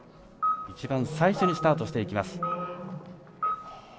一番最初にスタートしていきます。